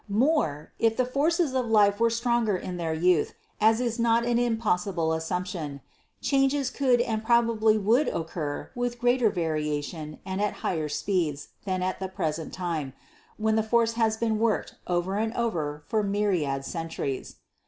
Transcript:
More, if the forces of life were stronger in their youth (as is not an impossible assumption) changes could and probably would occur with greater variety and at higher speeds than at the present time, when the force has been worked over and over for myriad centuries.